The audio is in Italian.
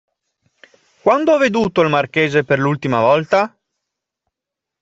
Quando ha veduto il marchese per l'ultima volta?